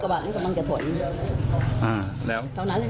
ฮะแล้ว